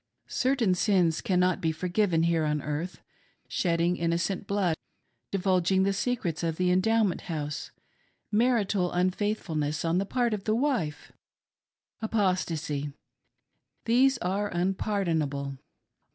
Certain sins cannot be forgiven here on earth — Shedding innocent blood, divulging the secrets of the Endowment House — marital unfaithfulness on the part of the wife — Appstacy ;— these are unpardonable.